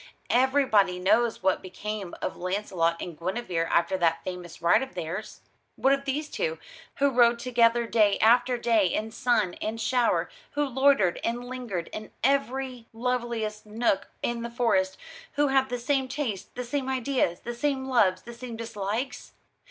Everybody knows what became of Launcelot and Guinevere after that famous ride of theirs. What of these two, who rode together day after day in sun and shower, who loitered and lingered in every loveliest nook in the Forest, who had the same tastes, the same ideas, the same loves, the same dislikes?